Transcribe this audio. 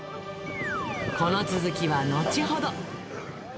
この続きは後ほど。